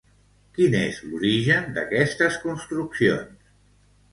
Quin és l'origen d'aquestes construccions?